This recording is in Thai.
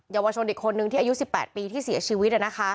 เยาวชนอีกคนนึงที่อายุ๑๘ปีที่เสียชีวิต